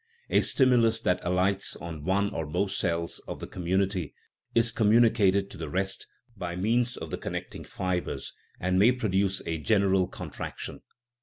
A stimulus that alights on one or more cells of the com munity is communicated to the rest by means of the connecting fibres, and may produce a general con traction.